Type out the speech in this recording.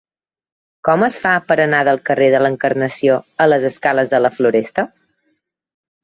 Com es fa per anar del carrer de l'Encarnació a les escales de la Floresta?